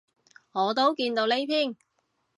我都見到呢篇